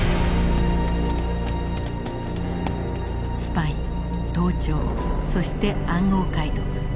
スパイ盗聴そして暗号解読。